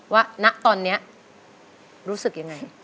ณตอนนี้รู้สึกยังไง